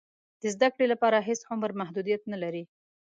د زده کړې لپاره هېڅ عمر محدودیت نه لري.